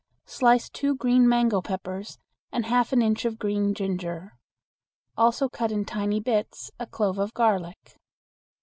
Slice two green mango peppers and half an inch of green ginger; also cut in tiny bits a clove of garlic.